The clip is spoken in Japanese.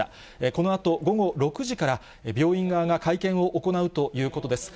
このあと午後６時から、病院側が会見を行うということです。